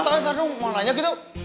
entah sardung mau nanya gitu